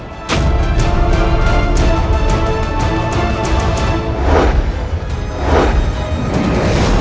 aku akan terus memburumu